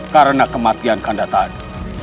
karena kematian kakanda tadi